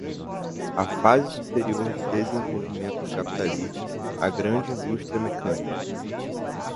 a fase superior de desenvolvimento do capitalismo, a grande indústria mecânica